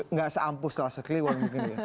nggak seampus selasa kliwon